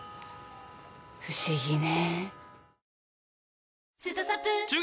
不思議ね。